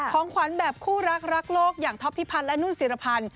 ของขวัญแบบคู่รักรักโลกอย่างท็อปพิพันธ์และนุ่นศิรพันธ์